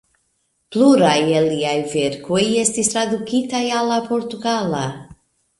Pluraj el liaj verkoj estis tradukitaj al la portugala.